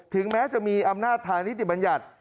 ถึงแม้จะมีอำนาจทางนิติบัญญัติ